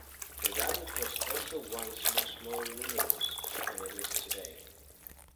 The rabbit was also once much more numerous than it is today.